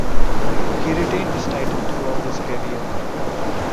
He retained this title throughout his career.